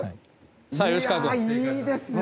さあ吉川君。いやいいですね